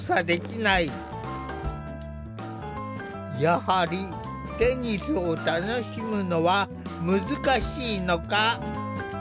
やはりテニスを楽しむのは難しいのか？